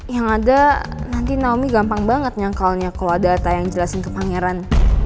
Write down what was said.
yang ada nanti naomi gampang banget nyangkalnya kalo ada data yang jelasin ke pangeran